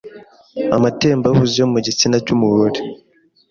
amatembabuzi yo mu gitsina cy’umugore